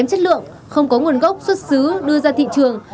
chất lượng không có nguồn gốc xuất xứ đưa ra thị trường